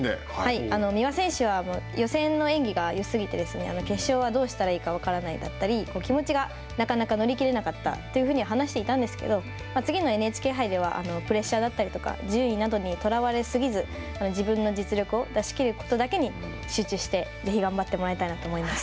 三輪選手は、予選の演技がよすぎて、決勝はどうしたらいいか分からないだったり、気持ちがなかなか乗りきれなかったというふうに話していたんですけれども、次のＮＨＫ杯では、プレッシャーだったりとか、順位などにとらわれすぎず、自分の実力を出し切ることだけに集中して、ぜひ頑張ってもらいたいなと思います。